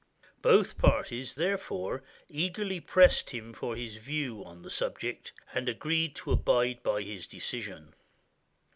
Both parties, therefore, eagerly pressed him for his view on the subject, and agreed to abide by his decision.